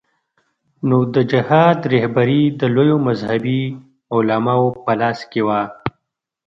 نو د جهاد رهبري د لویو مذهبي علماوو په لاس کې وه.